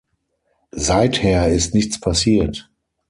Seither ist nichts passiert!